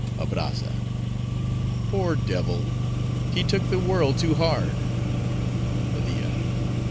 ABRAZZA—Poor devil! he took the world too hard. MEDIA.